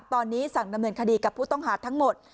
ตอนนี้สั่งดำเนินคดีกับผู้ต้องหาทั้งหมด